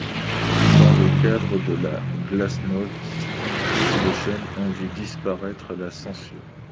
Dans le cadre de la Glasnost, toutes les chaînes ont vu disparaître la censure.